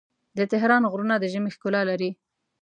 د تهران غرونه د ژمي ښکلا لري.